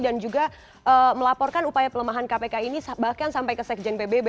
dan juga melaporkan upaya pelemahan kpk ini bahkan sampai ke sekjen pbb